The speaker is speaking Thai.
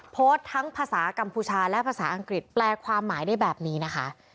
โพสต์ทั้งภาษากัมพูชาและภาษาอังกฤษแปลความหมายได้แบบนี้นะคะ